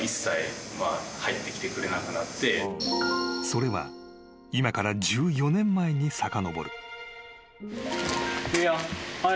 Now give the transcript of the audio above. ［それは今から１４年前にさかのぼる］